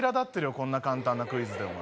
こんな簡単なクイズでお前